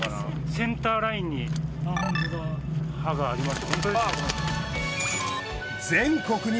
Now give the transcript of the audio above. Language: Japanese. センターラインに歯があります。